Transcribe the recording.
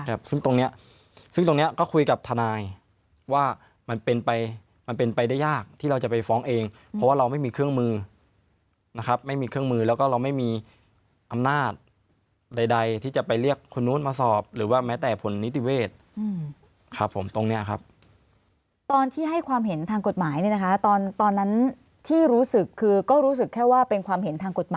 ครับซึ่งตรงเนี้ยซึ่งตรงเนี้ยก็คุยกับทนายว่ามันเป็นไปมันเป็นไปได้ยากที่เราจะไปฟ้องเองเพราะว่าเราไม่มีเครื่องมือนะครับไม่มีเครื่องมือแล้วก็เราไม่มีอำนาจใดใดที่จะไปเรียกคนนู้นมาสอบหรือว่าแม้แต่ผลนิติเวศอืมครับผมตรงเนี้ยครับตอนที่ให้ความเห็นทางกฎหมายเนี่ยนะคะตอนตอนนั้นที่รู้สึกคือก็รู้สึกแค่ว่าเป็นความเห็นทางกฎหมาย